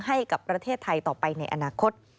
ให้กับประเทศไทยต่อไปในอนาคต